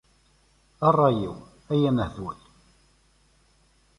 A ṛṛay-iw, ay amehbul.